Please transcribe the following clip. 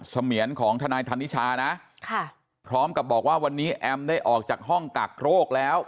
เสมียนของทนายธนิชานะพร้อมกับบอกว่าวันนี้แอมได้ออกจากห้องกักโรคแล้ว